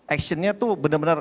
action nya itu benar benar